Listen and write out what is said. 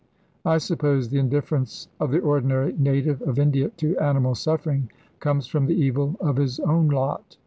I suppose the indifference of the ordinary native of India to animal suffering comes from the evil of his own lot.